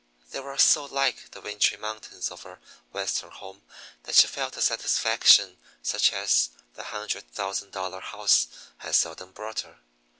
They were so like the wintry mountains of her Western home that she felt a satisfaction such as the hundred thousand dollar house had seldom brought her.